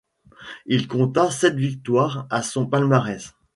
Il compta sept victoires à son palmarès.